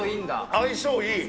相性いい。